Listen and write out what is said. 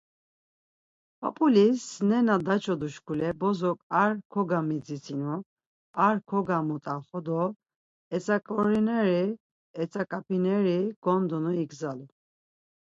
P̌ap̌ulis nena daçodu şkule bozok ar kogamidzitsinu, ar kogamut̆axu do etzaxoroneri, etzaǩap̌ineri gondunu igzalu.